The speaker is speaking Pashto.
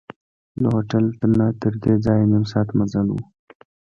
له هوټل نه تردې ځایه نیم ساعت مزل و.